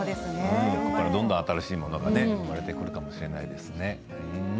ここからどんどん新しいものが生まれてくるかもしれないですね。